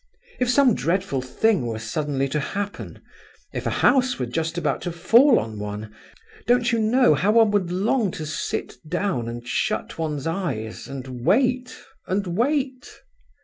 If some dreadful thing were suddenly to happen; if a house were just about to fall on one;—don't you know how one would long to sit down and shut one's eyes and wait, and wait?